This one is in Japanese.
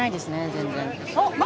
全然。